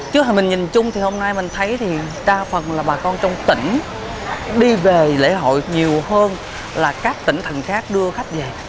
chứ mình nhìn chung thì hôm nay mình thấy thì đa phần là bà con trong tỉnh đi về lễ hội nhiều hơn là các tỉnh thành khác đưa khách về